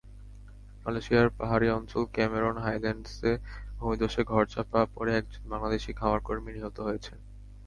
মালয়েশিয়ার পাহাড়ি অঞ্চল ক্যামেরন হাইল্যান্ডসে ভূমিধসে ঘরচাপা পড়ে একজন বাংলাদেশি খামারকর্মী নিহত হয়েছেন।